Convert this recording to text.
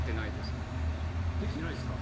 できてないんですか？